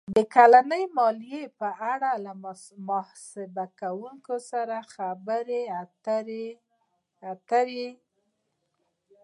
-د کلنۍ مالیې په اړه له محاسبه کوونکي سره خبرې اتر ې